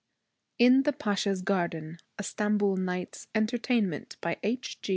IN THE PASHA'S GARDEN A STAMBOUL NIGHT'S ENTERTAINMENT BY H.